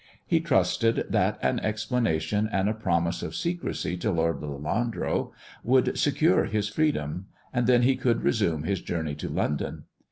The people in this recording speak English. He trusted that an explanation, and a promise of secrecy to Lord Lelanro, would secure his freedom; and then he could resume his journey to London.